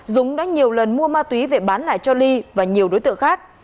dũng đã nhiều lần mua ma túy về bán lại cho ly và nhiều đối tượng khác